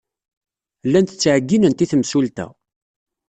Llant ttɛeyyinent i temsulta.